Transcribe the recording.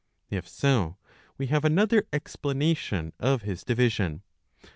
If so, we have another explanation of his division.